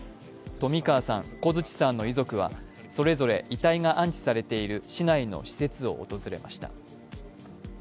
冨川さん、小槌さんの遺族はそれぞれ遺体が安置されている市内の施設を訪れました。